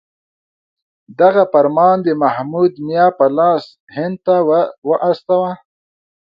دغه فرمان د محمود میا په لاس هند ته واستاوه.